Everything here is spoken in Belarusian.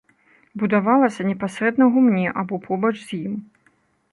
Будавалася непасрэдна ў гумне або побач з ім.